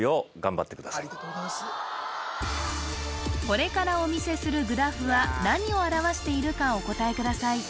これからお見せするグラフは何を表しているかお答えください